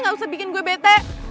lo tuh bisa bikin gue bete